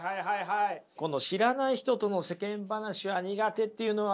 この知らない人との世間話は苦手っていうのはね